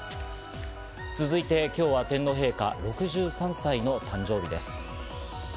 続いて今日は天皇陛下、６３歳の誕生日です。